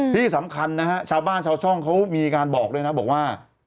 ที่สำคัญนะฮะชาวบ้านชาวช่องเขามีการบอกด้วยนะบอกว่า